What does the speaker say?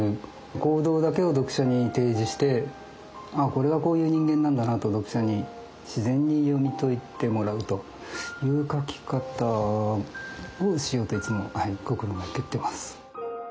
行動だけを読者に提示してああこれはこういう人間なんだなと読者に自然に読み解いてもらうという書き方をしようといつも心がけてます。